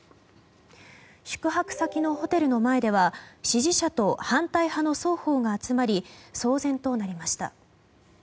宿泊先のホテルの前では支持者と反対派の双方が集まり騒然となりました。